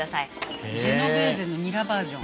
ジェノベーゼのニラバージョン。